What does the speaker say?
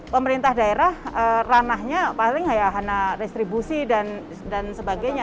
pemerintah daerah ranahnya paling hanya restribusi dan sebagainya